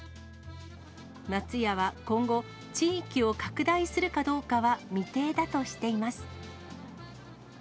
松屋は今後、地域を拡大するかどうかは未定だとしています。